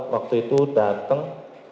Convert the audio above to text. waktu itu dateng